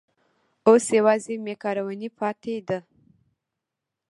اوس یوازې مېکاروني پاتې ده.